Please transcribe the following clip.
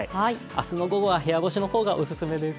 明日の午後は部屋干しの方がオススメです。